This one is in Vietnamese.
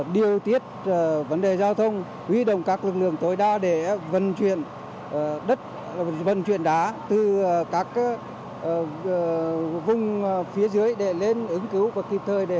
điều tiết vấn đề giao thông huy động các lực lượng tối đa để vận chuyển đất vận chuyển đá từ các vùng phía dưới để lên ứng cứu và kịp thời